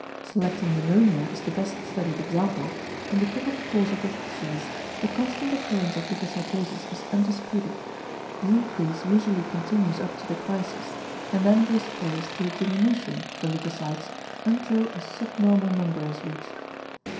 Selecting pneumonia as the best studied example, in the typical course of this disease the constant occurrence of leucocytosis is undisputed; the increase usually continues up to the crisis, and then gives place to a diminution of the leucocytes until a subnormal number is reached.